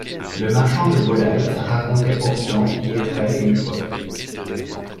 Le marchand de volailles racontait pourtant y être allé une fois.